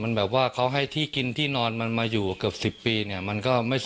มันแบบว่าเขาให้ที่กินที่นอนมันมาอยู่เกือบสิบปีเนี่ย